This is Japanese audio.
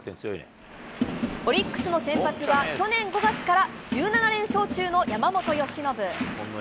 オリックスの先発は、去年５月から１７連勝中の山本由伸。